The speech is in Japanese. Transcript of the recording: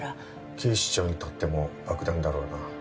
警視庁にとっても爆弾だろうな。